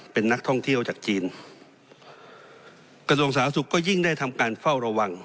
เป็นนักท่องเที่ยวจากจีนกระทรวงสาธารณสุขก็ยิ่งได้ทำการเฝ้าระวัง